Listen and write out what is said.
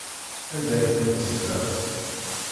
Anda ay tent-tezlamt?